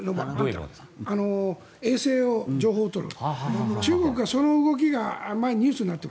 衛星を、情報を取るの。